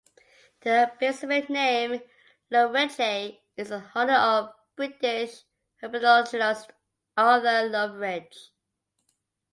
The specific name, "loveridgei", is in honor of British herpetologist Arthur Loveridge.